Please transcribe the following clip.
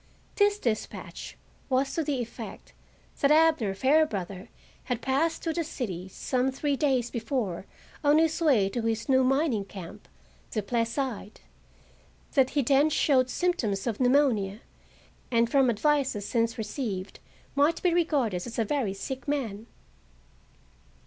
This despatch was to the effect that Abner Fairbrother had passed through that city some three days before on his way to his new mining camp, the Placide; that he then showed symptoms of pneumonia, and from advices since received might be regarded as a very sick man.